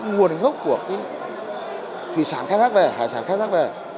nguồn gốc của thủy sản khai thác về hải sản khai thác về